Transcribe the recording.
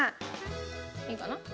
いいかな？